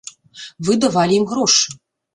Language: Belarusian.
Вы давалі ім грошы.